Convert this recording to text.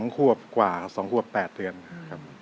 ๒ขวบกว่า๒ควบ๘เดือนครับ